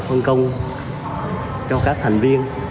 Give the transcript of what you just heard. hơn công cho các thành viên